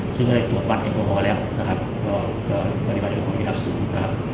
ซึ่งก็ได้ตรวจปัดนะคะบริบัติอินโภธ์แหละ